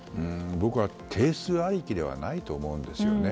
僕は定数ありきではないと思うんですよね。